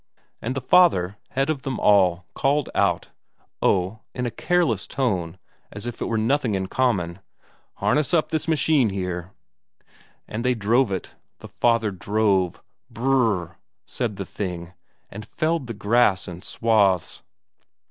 And the father, head of them all, called out, oh, in a careless tone, as if it were nothing uncommon: "Harness up to this machine here." And they drove it; the father drove. Brrr! said the thing, and felled the grass in swathes.